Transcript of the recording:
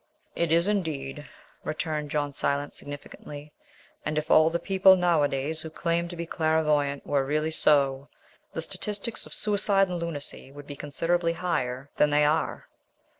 "It is indeed," returned John Silence significantly, "and if all the people nowadays who claim to be clairvoyant were really so, the statistics of suicide and lunacy would be considerably higher than they are.